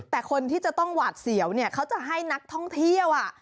แต่คนที่จะต้องหวาดเสียวเนี่ยเขาจะให้นักท่องเที่ยว